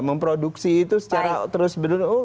memproduksi itu secara terus bener